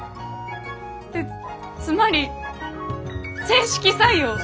えっつまり正式採用？